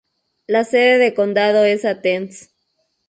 La sede de condado es Athens.